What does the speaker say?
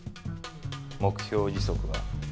目標時速は？